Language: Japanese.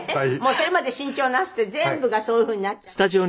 それまで新調なすって全部がそういう風になっちゃって」